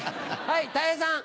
はいたい平さん。